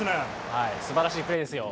はい、すばらしいプレーですよ。